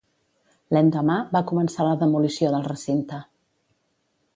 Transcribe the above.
L'endemà, va començar la demolició del recinte.